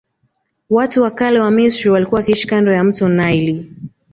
Watu wa kale wa misri walikua wakiishi kando ya mto naili